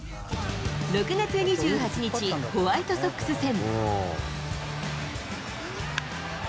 ６月２８日、ホワイトソックス戦。